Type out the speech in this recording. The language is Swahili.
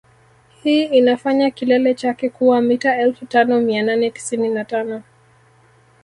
Hii inafanya kilele chake kuwa mita elfu tano mia nane tisini na tano